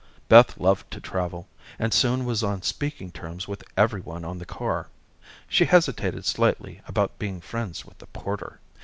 Beth loved to travel, and soon was on speaking terms with every one on the car. She hesitated slightly about being friends with the porter.